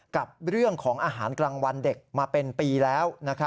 กับเรื่องของอาหารกลางวันเด็กมาเป็นปีแล้ว